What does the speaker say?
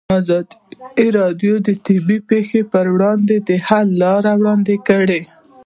ازادي راډیو د طبیعي پېښې پر وړاندې د حل لارې وړاندې کړي.